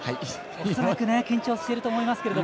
恐らく緊張していると思いますけど。